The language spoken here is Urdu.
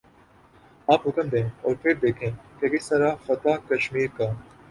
آپ حکم دیں اور پھر دیکھیں کہ کس طرح فاتح کشمیر کا